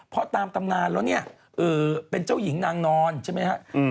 เพราะตามตำนานแล้วเนี่ยเป็นเจ้าหญิงนางนอนใช่ไหมฮะ